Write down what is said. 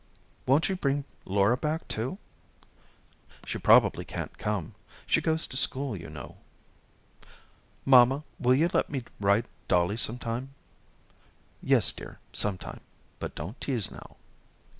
"Won't you bring Laura back, too?" "She probably can't come. She goes to school, you know." "Mamma, will you let me ride Dollie sometime?" "Yes, dear, sometime, but don't tease now."